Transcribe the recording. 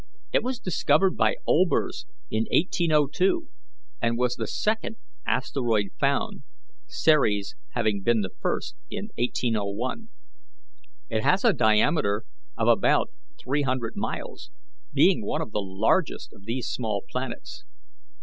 "It was discovered by Olbers, in 1802, and was the second asteroid found, Ceres having been the first, in 1801. It has a diameter of about three hundred miles, being one of the largest of these small planets.